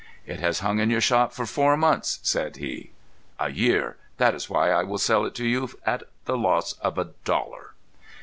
"It has hung in your shop for four months," said he. "A year. That is why I will sell it to you at the loss of a dollar."